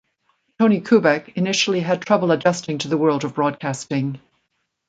Tony Kubek initially had trouble adjusting to the world of broadcasting.